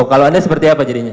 kalau anda seperti apa jadinya